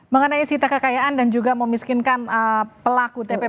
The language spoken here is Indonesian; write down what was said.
mengenai sisa kekayaan dan juga memiskinkan pelaku tpu nya